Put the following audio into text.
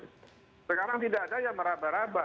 sekarang tidak ada yang meraba raba